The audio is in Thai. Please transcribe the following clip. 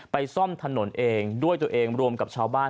ซ่อมถนนเองด้วยตัวเองรวมกับชาวบ้าน